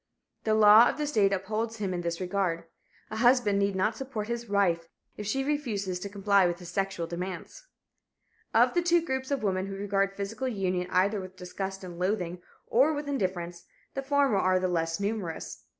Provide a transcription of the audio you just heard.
The law of the state upholds him in this regard. A husband need not support his wife if she refuses to comply with his sexual demands. Of the two groups of women who regard physical union either with disgust and loathing, or with indifference, the former are the less numerous.